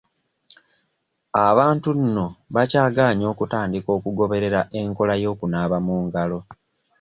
Abantu nno bakyagaanye okutandika okugoberera enkola y'okunaaba mu ngalo.